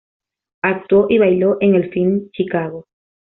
Actuó y bailó en el film Chicago.